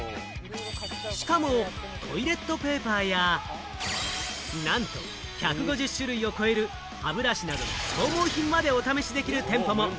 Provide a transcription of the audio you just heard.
しかも、トイレットペーパーや、なんと１５０種類を超える、歯ブラシなどの消耗品までお試しできる店舗も。